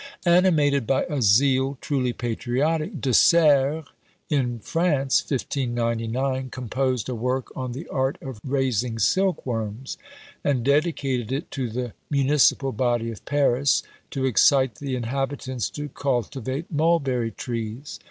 Animated by a zeal truly patriotic, De Serres in France, 1599, composed a work on the art of raising silk worms, and dedicated it to the municipal body of Paris, to excite the inhabitants to cultivate mulberry trees.